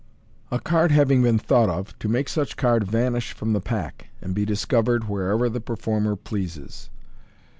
A Card having been thought op, to make such Card Vanish from the Pack, and be Discovered wherever the Performer pleases.